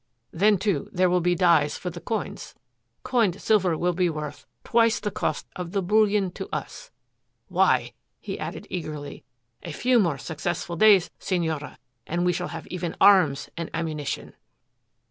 Then, too, there will be dies for the coins. Coined silver will be worth, twice the cost of the bullion to us. Why," he added eagerly, "a few more successful days, Senora, and we shall have even arms and ammunition."